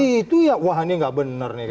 oh gitu ya wah ini gak benar